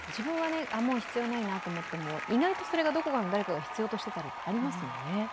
自分はもう必要ないなと思っても意外とそれがどこかの誰かが必要としていたりということはありますもんね。